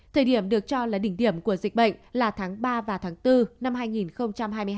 thời điểm được cho là đỉnh điểm của dịch bệnh là tháng ba và tháng bốn năm hai nghìn hai mươi hai